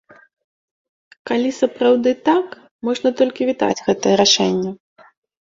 Калі сапраўды так, можна толькі вітаць гэтае рашэнне.